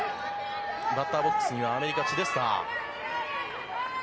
バッターボックスにはアメリカ、チデスター。